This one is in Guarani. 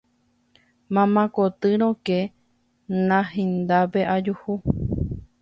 mamá koty rokẽ nandihápe ajuhu